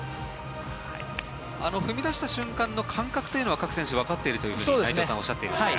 あの踏み出した瞬間の感覚というのは各選手わかっていると、内藤さんおっしゃっていましたが。